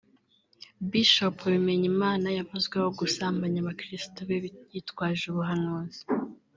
Bishop Bimenyimana yavuzweho gusambanya abakristo be yitwaje ubuhanuzi